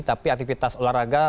tapi aktivitas olahraga